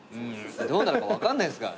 どうなるか分かんないっすからね。